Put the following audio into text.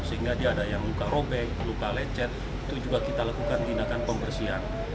sehingga dia ada yang luka robek luka lecet itu juga kita lakukan tindakan pembersihan